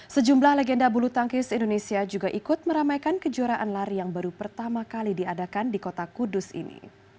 sejumlah legenda bulu tangkis indonesia juga ikut meramaikan kejuaraan lari yang baru pertama kali diadakan di kota kudus ini